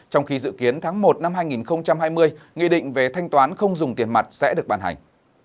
trong khi dự kiến tháng một năm hai nghìn hai mươi nghị định về thanh toán không dùng tiền mặt sẽ được bàn hành